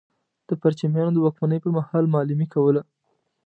د پرچمیانو د واکمنۍ پر مهال معلمي کوله.